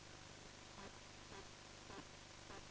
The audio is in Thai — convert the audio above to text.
ฝึกยิ้มฝึกยิ้มไว้มาก